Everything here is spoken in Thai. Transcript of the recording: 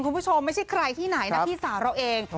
คุณผู้ชมไม่ใช่ใครที่ไหนนะพี่สาวเราเอง